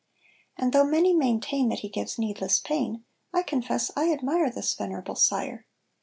And though many maintain That he gives needless pain, I confess I admire This venerable sire.